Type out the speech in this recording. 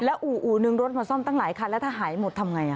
อู่นึงรถมาซ่อมตั้งหลายคันแล้วถ้าหายหมดทำไง